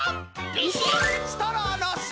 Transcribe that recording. ビシッ！